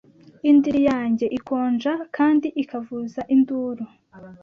indiri yanjye ikonja kandi ikavuza induru